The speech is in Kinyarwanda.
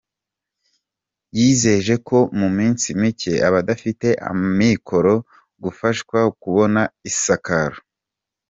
Yizeje ko mu minsi mike abadafite amikoro gufashwa kubona isakaro.